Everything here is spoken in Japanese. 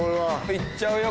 いっちゃうよ